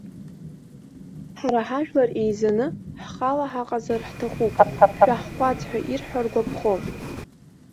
Ҳара ҳажәлар еизаны, ҳхала ҳаҟазар ҳҭахуп, шәаҳҟәаҵ ҳәа ирҳәо ргәаԥхом.